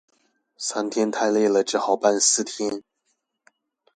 三天太累了，只好辦四天